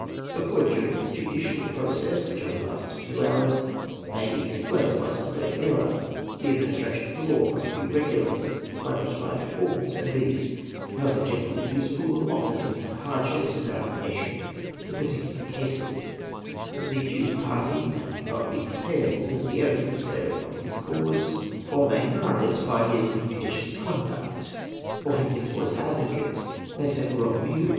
A Court, during the judicial process, which only lasts a few hours, may be misled by some great error ; the administration of the law must be regulated by prescribed forms, and these, howe ver generally useful, will often become hardships in their application to particular cases ;— the accused party may not be prepared with all the evidence bearing on his cause, or may mar it by his injudicious conduct, or his employed advocate may take a wrong view 480 APPENDIX XX.